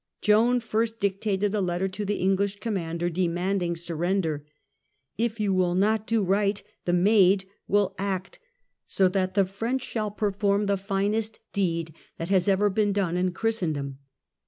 Joan first dictated a letter to the English commander demanding surrender: "If you will not do right, the Maid will act so that the French shall perform the finest deed that has ever been done in Christendom